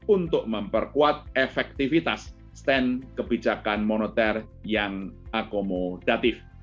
untuk memperkuat efektivitas stand kebijakan moneter yang akomodatif